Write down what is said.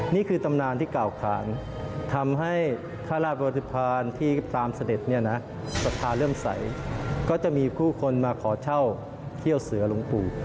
นี่คือตำนานที่กล่าวขานทำให้ข้าราชบริพาณที่ตามเสด็จเนี่ยนะศรัทธาเริ่มใสก็จะมีผู้คนมาขอเช่าเที่ยวเสือหลวงปู่